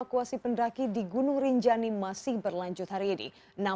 evakuasi pendaki di gunung rinjani masih berlanjut hari ini